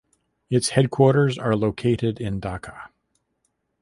Its headquarters are located in Dhaka.